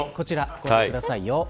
ご覧ください。